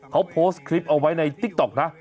เขาโพสต์คลิปเอาไว้ในติ๊กต๊อกนะ